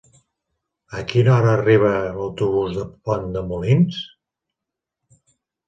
A quina hora arriba l'autobús de Pont de Molins?